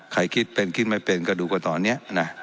ใครคิดเป็นที่ไม่เป็นก็ดูต่อนี้